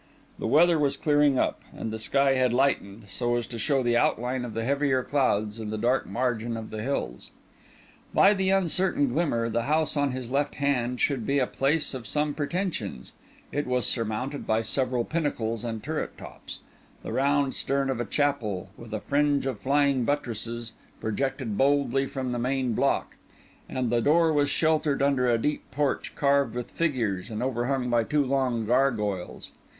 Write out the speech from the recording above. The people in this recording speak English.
The weather was clearing up, and the sky had lightened, so as to show the outline of the heavier clouds and the dark margin of the hills. By the uncertain glimmer, the house on his left hand should be a place of some pretensions; it was surmounted by several pinnacles and turret tops; the round stern of a chapel, with a fringe of flying buttresses, projected boldly from the main block; and the door was sheltered under a deep porch carved with figures and overhung by two long gargoyles.